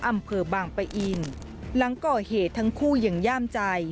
อำเภอบางปะอินหลังก่อเหตุทั้งคู่ยังย่ามใจ